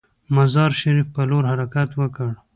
مزار شریف پر لور حرکت وکړ.